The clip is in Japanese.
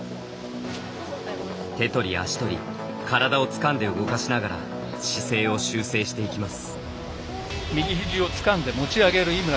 手とり足とり体をつかんで動かしながら姿勢を修正していきます。